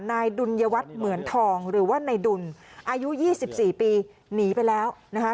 นายดุลยวัตเหมือนทองหรือว่าในดุลอายุยี่สิบสี่ปีหนีไปแล้วนะคะ